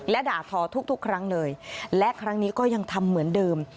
และด่าทอทุกครั้งเลยและครั้งนี้ก็ยังทำเหมือนเดิม